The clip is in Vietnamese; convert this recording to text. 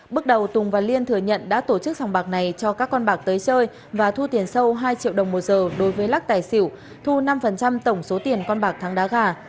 bước đầu tùng và liên thừa nhận đã tổ chức sòng bạc này cho các con bạc tới chơi và thu tiền sâu hai triệu đồng một giờ đối với lắc tài xỉu thu năm tổng số tiền con bạc thắng đá gà